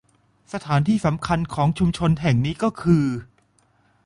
สถานที่สำคัญของชุมชนแห่งนี้ก็คือ